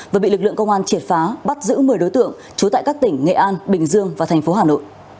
và bị lực lượng công an triệt phá bắt giữ một mươi đối tượng trú tại các tỉnh nghệ an bình dương và tp hcm